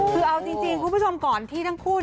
คือเอาจริงคุณผู้ชมก่อนที่ทั้งคู่